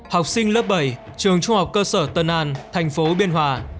học sinh lớp bảy trường trung học cơ sở tân an thành phố biên hòa